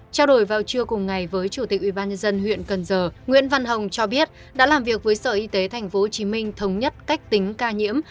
trao đổi vào trưa cùng ngày với chủ tịch ubnd huyện cần giờ nguyễn văn hồng cho biết đã làm việc với sở y tế tp hcm thống nhất cách tính ca nhiễm